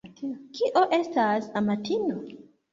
Kio estas amatino?